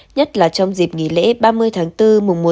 nhất là trong dịp nghỉ lễ ba mươi tháng bốn mùa